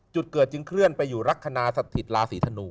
จุดเกิดจึงเคลื่อนไปอยู่รัฐคณะสัตว์ศิษย์ลาศรีธนู